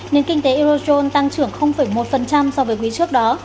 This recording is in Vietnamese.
nền kinh tế eurozone tăng trưởng một phần trăm so với quý trước đó